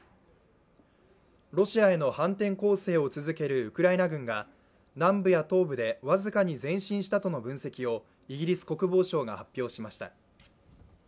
ロシアへの反転攻勢を続けるウクライナ軍が、南部や東部で僅かに前進したとの分析をイギリス国防省が発表しました。